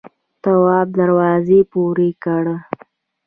تواب دروازه پورې کړه.